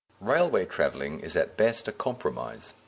Railway travelling is at best a compromise.